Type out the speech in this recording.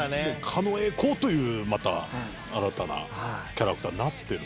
「狩野英孝」というまた新たなキャラクターになってる。